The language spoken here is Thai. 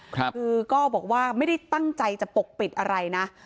คือก็บอกว่าไม่ได้ตั้งใจจะปกปิดอะไรนะ